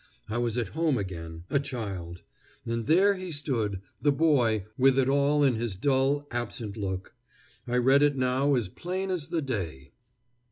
I was at home again, a child. And there he stood, the boy, with it all in his dull, absent look. I read it now as plain as the day.